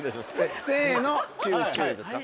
「せの！チュウチュウ」ですか。